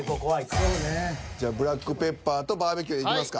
じゃあブラックペッパーとバーベＱでいきますか。